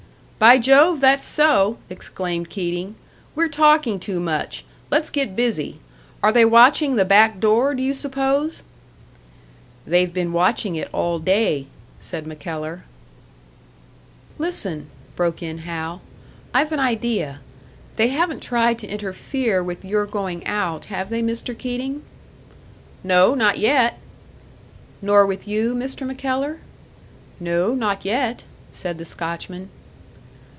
"By Jove, that's so!" exclaimed Keating. "We're talking too much let's get busy. Are they watching the back door, do you suppose?" "They've been watching it all day," said MacKellar. "Listen," broke in Hal "I've an idea. They haven't tried to interfere with your going out, have they, Mr. Keating?" "No, not yet." "Nor with you, Mr. MacKellar?" "No, not yet," said the Scotchman.